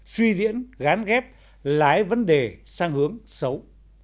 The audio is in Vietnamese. suy diễn gán ghép lái vấn đề sang hướng xấu